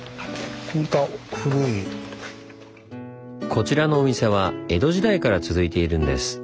こちらのお店は江戸時代から続いているんです。